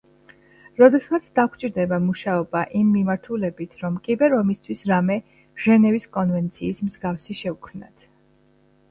როდესღაც დაგვჭირდება მუშაობა იმ მიმართულებით, რომ კიბერ-ომისთვის რამე ჟენევის კონვენციის მსგავსი შევქმნათ.